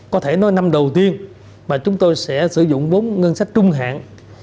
có thể nói năm đầu tiên mà chúng tôi sẽ sử dụng bốn ngân sách trung hạn hai nghìn một mươi sáu hai nghìn hai mươi